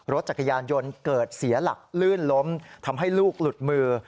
รถจักรยานยนต์เกิดเสียหลักลื่นล้มทำให้ลูกหลุดมือ